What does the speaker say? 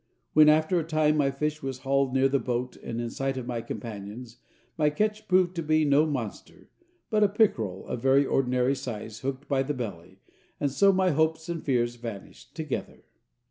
When, after a time, my fish was hauled near the boat and in sight of my companions, my catch proved to be no monster, but a pickerel of very ordinary size hooked by the belly, and so my hopes and fears vanished together.